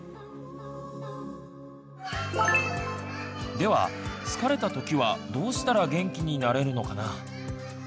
では疲れた時はどうしたら元気になれるのかな？